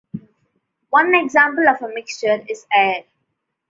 One example of a mixture is air.